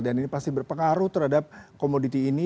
dan ini pasti berpengaruh terhadap komoditi ini